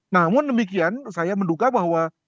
namun demikian saya menduga bahwa